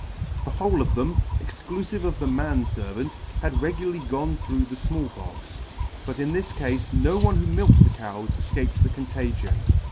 The whole of them, exclufive of the man fervant, had regularly gone through the Small Pox ; but in this cafe no one who milked the cows efcaped the contagion.